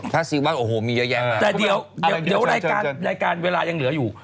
ถ้าสิว่าโอ้โหมีเยอะแยะน่ะโอเคอะไรดีเชิญแต่เดี๋ยวรายการเวลายังเหลืออยู่